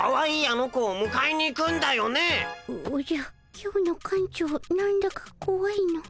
今日の館長なんだかこわいの。